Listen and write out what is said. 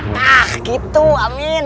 nah gitu amin